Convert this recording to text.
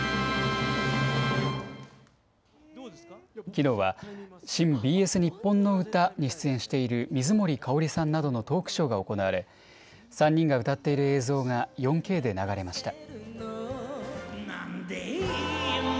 きのうは、新・ＢＳ日本のうたに出演している水森かおりさんなどのトークショーが行われ、３人が歌っている映像が４Ｋで流れました。